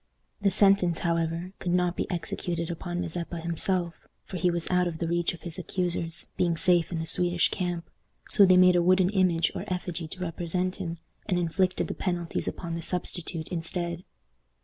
The sentence, however, could not be executed upon Mazeppa himself, for he was out of the reach of his accusers, being safe in the Swedish camp. So they made a wooden image or effigy to represent him, and inflicted the penalties upon the substitute instead.